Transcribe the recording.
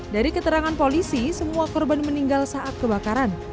dari keterangan polisi semua korban meninggal saat kebakaran